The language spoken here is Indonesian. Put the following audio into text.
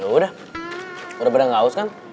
ya udah udah berang aus kan